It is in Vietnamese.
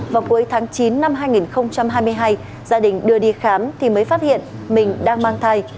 vào cuối tháng chín năm hai nghìn hai mươi hai gia đình đưa đi khám thì mới phát hiện mình đang mang thai